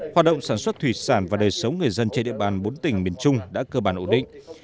hoạt động sản xuất thủy sản và đời sống người dân trên địa bàn bốn tỉnh miền trung đã cơ bản ổn định